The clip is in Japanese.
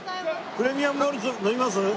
プレミアム・モルツ飲みます？